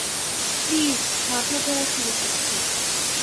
Please - মাথা ঘোরা শুরু করছে?